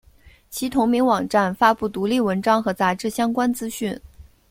其同名网站发布独立文章和杂志相关资讯。